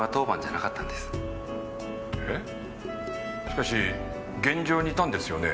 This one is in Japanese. しかし現場にいたんですよね？